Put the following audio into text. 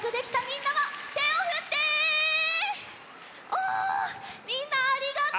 おみんなありがとう！